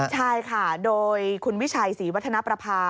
ใช่ค่ะโดยคุณวิชัยศรีวัฒนประภา